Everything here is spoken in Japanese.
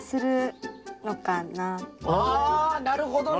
あなるほどね！